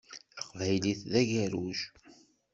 Taqbaylit d agerruj.